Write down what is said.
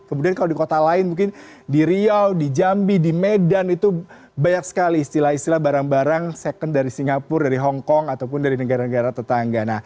kemudian kalau di kota lain mungkin di riau di jambi di medan itu banyak sekali istilah istilah barang barang second dari singapura dari hongkong ataupun dari negara negara tetangga